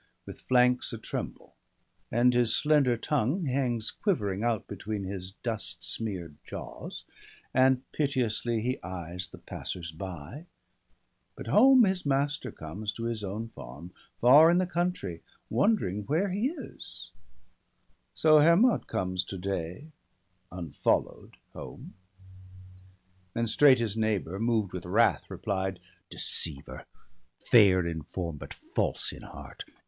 With flanks a tremble, and his slender tongue Hangs quivering out between his dust smear'd jaws, And piteously he eyes the passers by; But home his master comes to his own farm, Far in the country, wondering where he is — 1 66 BALDER DEAD, So Hermod comes to day unfollow'd home.' And straight his neighbour, moved with wrath, repHed :—' Deceiver ! fair in form, but false in heart